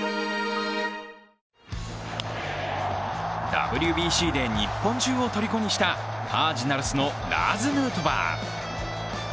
ＷＢＣで日本中をとりこにしたカージナルスのラーズ・ヌートバー。